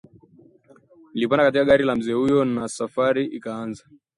Nilipanda katika gari la mzee huyo na safari ikaanza